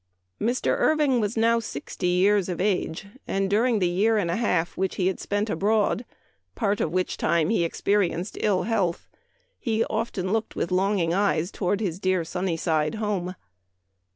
Mr. Irving was now sixty years of age, and during the year and a half which he had spent abroad, part of which time he experienced ill health, he often looked with longing eyes toward his " dear Sunnyside home."